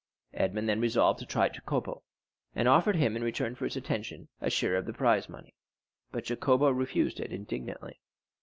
Edmond then resolved to try Jacopo, and offered him in return for his attention a share of his prize money, but Jacopo refused it indignantly.